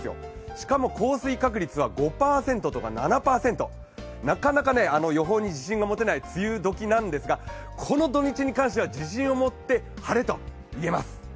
しかも、降水確率は５％とか７％、なかなか予報に自信が持てない梅雨時なんですがこの土日に関しては自信を持って晴れと言えます！